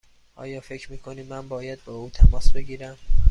آیا فکر می کنی من باید با او تماس بگیرم؟